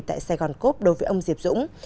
tại sài gòn cốp đối với ông diệp dũng